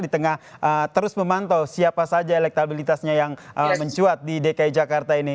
di tengah terus memantau siapa saja elektabilitasnya yang mencuat di dki jakarta ini